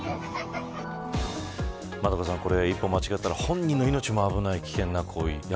円香さん、これ一歩間違ったら本人の命も危ない危険な行為。